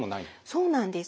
そうなんです。